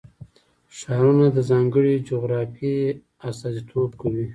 ښارونه د ځانګړې جغرافیې استازیتوب کوي.